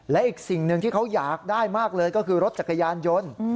และอีกสิ่งหนึ่งที่เขาอยากได้มากเลยก็คือรถจักรยานยนต์